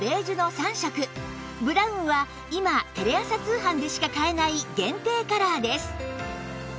ブラウンは今テレ朝通販でしか買えない限定カラーです